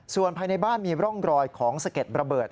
ส่วนภายในบ้านมีร่องรอยของสะเก็ดระเบิด